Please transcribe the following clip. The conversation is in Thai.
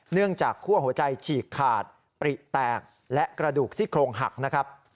เนื่องจากคั่วหัวใจฉีกขาดปริแตกและกระดูกซี่โครงหักนะครับ